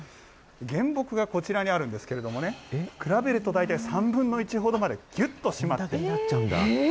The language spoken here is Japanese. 原木がこちらにあるんですけれどもね、比べると大体３分の１ほどまで、ぎゅっとしまって。